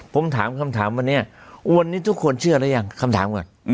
ผมถามคำถามวันนี้วันนี้ทุกคนเชื่อหรือยังคำถามก่อน